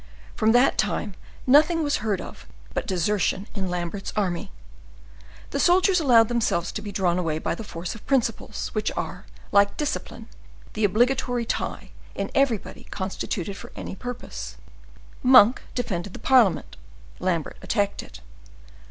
From that time nothing was heard of but desertion in Lambert's army. The soldiers allowed themselves to be drawn away by the force of principles, which are, like discipline, the obligatory tie in everybody constituted for any purpose. Monk defended the parliament—Lambert attacked it.